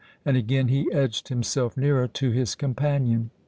"—and again he edged himself nearer to his companion.